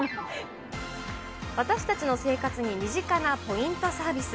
私たちの生活に身近なポイントサービス。